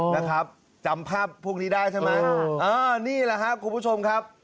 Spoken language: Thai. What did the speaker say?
นะครับจำภาพพวกนี้ได้ใช่ไหมอ่านี่แหละครับคุณผู้ชมครับ